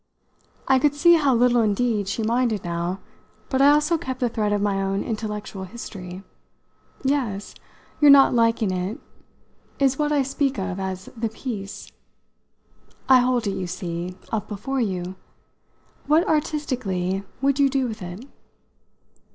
I could see how little indeed she minded now, but I also kept the thread of my own intellectual history. "Yes. Your not liking it is what I speak of as the piece. I hold it, you see, up before you. What, artistically, would you do with it?"